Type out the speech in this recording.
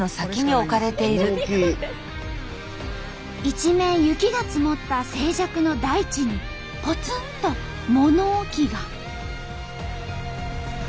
一面雪が積もった静寂の大地にぽつんと物置が。